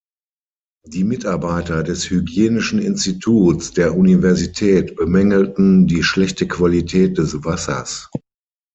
Die Mitarbeiter des Hygienischen Instituts der Universität bemängelten die schlechte Qualität des Wassers.